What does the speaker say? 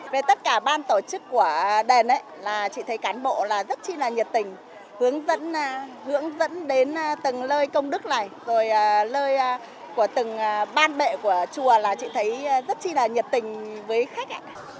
về tất cả ban tổ chức của đền là chị thấy cán bộ là rất chi là nhiệt tình hướng dẫn hướng dẫn đến từng lơi công đức này rồi lơi của từng ban bệ của chùa là chị thấy rất chi là nhiệt tình với khách